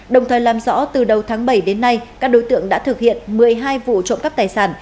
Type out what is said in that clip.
đồng thời làm rõ từ đầu tháng bảy đến nay các đối tượng đã thực hiện một mươi hai vụ trộm cắp tài sản